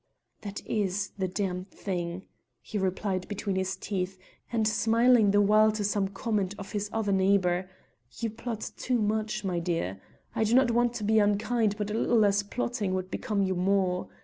"That is the damned thing," he replied between his teeth, and smiling the while to some comment of his other neighbour, "you plot too much, my dear. I do not want to be unkind, but a little less plotting would become you more.